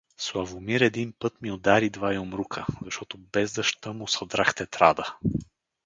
Славомир един път ми удари два юмрука, защото без да ща му съдрах тетрада.